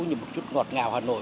như một chút ngọt ngào hà nội